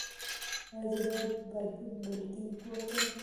ایا زه باید باډي بلډینګ وکړم؟